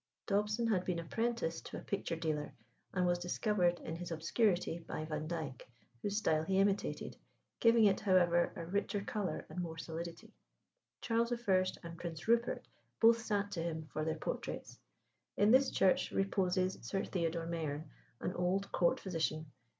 Dobson had been apprenticed to a picture dealer, and was discovered in his obscurity by Vandyke, whose style he imitated, giving it, however, a richer colour and more solidity. Charles I. and Prince Rupert both sat to him for their portraits. In this church reposes Sir Theodore Mayerne, an old court physician.